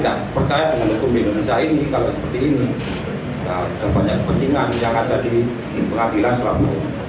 ada banyak kepentingan yang ada di pengadilan selama ini